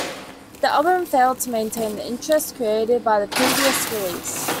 The album failed to maintain the interest created by the previous release.